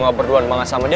gak usah ngomongin dia